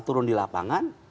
turun di lapangan